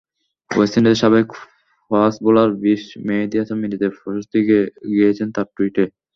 West ইন্ডিজের সাবেক fast bowler Bishop Mehedi Hasan মিরাজের প্রশস্তি গেয়েছেন তাঁর টুইটে।